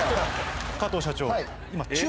加藤社長！